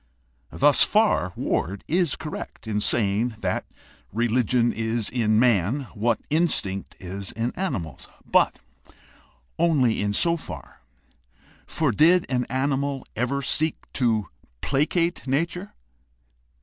Thus far Ward is correct in saying that religion is in man what instinct is in animals. But only in so far; for did an animal ever seek to placate nature